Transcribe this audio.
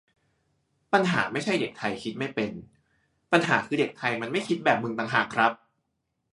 "ปัญหาไม่ใช่เด็กไทยคิดไม่เป็น ปัญหาคือเด็กไทยมันไม่คิดแบบมึงต่างหากครับ"